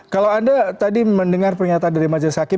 kalau anda tadi mendengar pernyataan dari majelis hakim